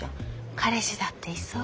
彼氏だっていそうだし。